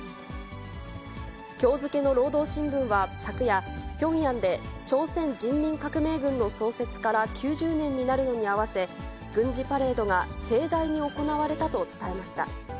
きょう付けの労働新聞は昨夜、ピョンヤンで朝鮮人民革命軍の創設から９０年になるのに合わせ、軍事パレードが盛大に行われたと伝えました。